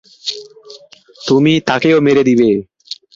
তুমি তাকেও মেরে দিবে।